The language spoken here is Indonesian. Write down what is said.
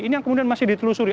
ini yang kemudian masih ditelusuri